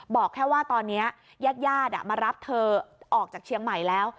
บอกแค่ว่าตอนนี้ญาติญาติมารับเธอออกจากเชียงใหม่แล้ว